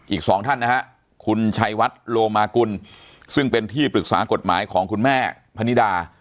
อีกสองท่านนะฮะคุณชัยวัดโลมากุลซึ่งเป็นที่ปรึกษากฎหมายของคุณแม่พนิดา